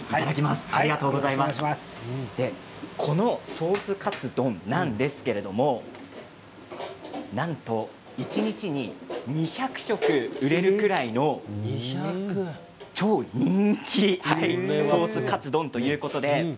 このソースカツ丼なんですがなんと一日に２００食売れるぐらいの超人気ソースカツ丼です。